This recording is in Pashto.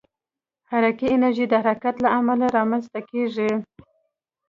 حرکي انرژي د حرکت له امله رامنځته کېږي.